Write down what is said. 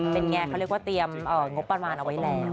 เป็นไงเขาเรียกว่าเตรียมงบประมาณเอาไว้แล้ว